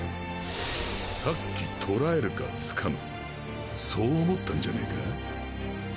さっき「捕らえる」か「掴む」そう思ったんじゃねェか？